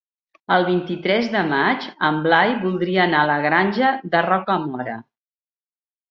El vint-i-tres de maig en Blai voldria anar a la Granja de Rocamora.